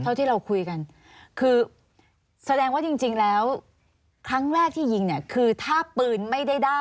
เท่าที่เราคุยกันคือแสดงว่าจริงแล้วครั้งแรกที่ยิงเนี่ยคือถ้าปืนไม่ได้ด้า